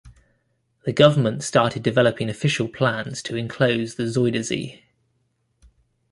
The government started developing official plans to enclose the Zuiderzee.